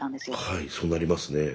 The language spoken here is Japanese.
はいそうなりますね。